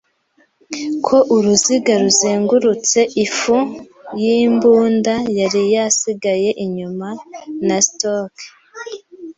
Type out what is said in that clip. ko uruziga ruzengurutse ifu yimbunda yari yasigaye inyuma, na stroke